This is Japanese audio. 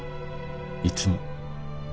いつも。